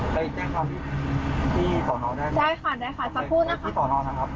ได้ค่ะจะพูดนะครับ